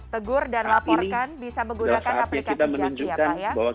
tegur dan laporkan bisa menggunakan aplikasi jaki ya pak ya